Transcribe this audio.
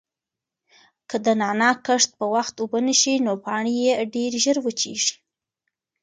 که د نعناع کښت په وخت اوبه نشي نو پاڼې یې ډېرې ژر وچیږي.